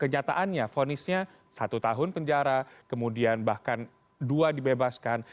kenyataannya vonisnya satu tahun penjara kemudian bahkan dua dibebaskan